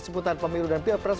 seputar pemilu dan peer press